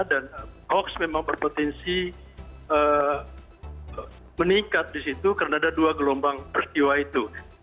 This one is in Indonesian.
dan hoax memang berpotensi meningkat di situ karena ada dua gelombang peristiwa itu